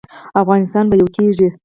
افغانستان به یو کیږي؟